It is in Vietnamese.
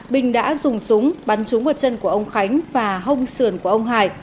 bình đã dùng súng bắn trúng vào chân của ông khánh và hông sườn của ông hải